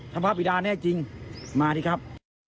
ถ้าพระบิดาแน่จริงมาสิครับ